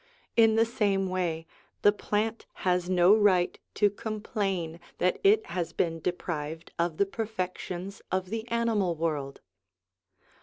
In the same way, the plant has no right to complain that it has been deprived of the perfec tions of the animal world.